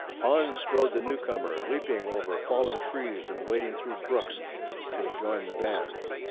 On strode the newcomer, leaping over fallen trees and wading through the brooks to join the band.